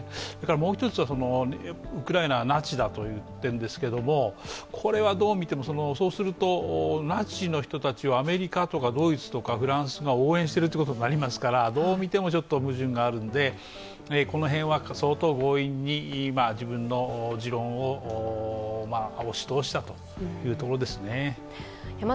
もう１つはウクライナはナチだと言っているんですけれどもこれはどう見ても、そうするとナチの人たちをアメリカとかドイツとかフランスが応援していることになりますからどう見ても矛盾があるのでこの辺は相当強引に自分の持論を押し通したというところですね。